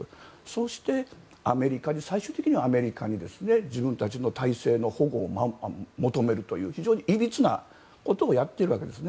そうして、最終的にはアメリカに自分たちの体制の保護を求めるという非常にいびつなことをやっているわけです。